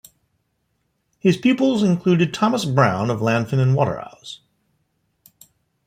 His pupils included Thomas Brown of Lanfine and Waterhaughs.